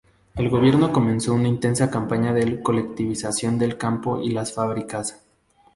El gobierno comenzó una intensa campaña de colectivización del campo y las fábricas.